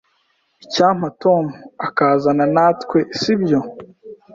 Icyampa Tom akazana natwe, sibyo?